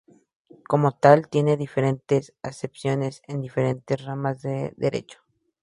Como tal, tiene diferentes acepciones en diferentes ramas del Derecho.